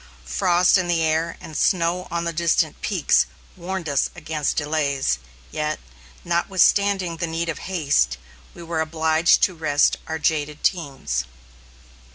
Frost in the air and snow on the distant peaks warned us against delays; yet, notwithstanding the need of haste, we were obliged to rest our jaded teams.